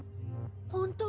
本当？